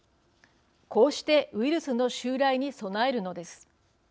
こうしてウイルスの襲来に備えるのです。